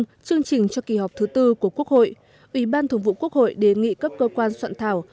trong chương trình cho kỳ họp thứ bốn của quốc hội quỹ ban thường vụ quốc hội đề nghị các cơ quan soạn thảo